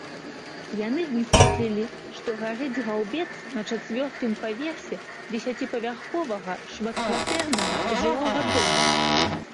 Яны высветлілі, што гарыць гаўбец на чацвёртым паверсе дзесяціпавярховага шматкватэрнага жылога дома.